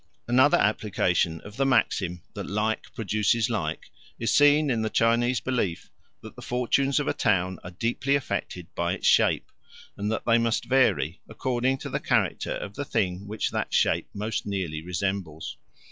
Another application of the maxim that like produces like is seen in the Chinese belief that the fortunes of a town are deeply affected by its shape, and that they must vary according to the character of the thing which that shape most nearly resembles.